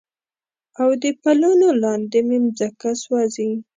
او د پلونو لاندې مې مځکه سوزي